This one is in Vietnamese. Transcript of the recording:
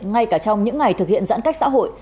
ngay cả trong những ngày thực hiện giãn cách xã hội